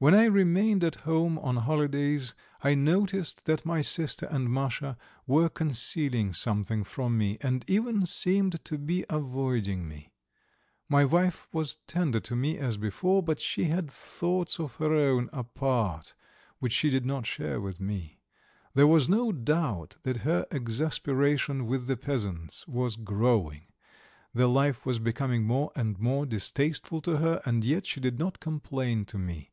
When I remained at home on holidays I noticed that my sister and Masha were concealing something from me, and even seemed to be avoiding me. My wife was tender to me as before, but she had thoughts of her own apart, which she did not share with me. There was no doubt that her exasperation with the peasants was growing, the life was becoming more and more distasteful to her, and yet she did not complain to me.